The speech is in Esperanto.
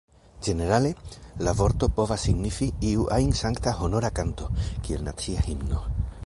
Ĝenerale, la vorto povas signifi iu ajn sankta honora kanto, kiel nacia himno.